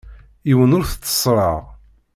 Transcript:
Yiwen ur t-tteṣṣreɣ.